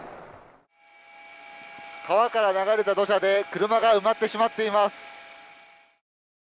川から流れた土砂で車が埋まってしまっています。